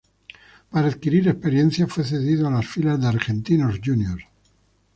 Para adquirir experiencia, fue cedido a las filas de Argentinos Juniors.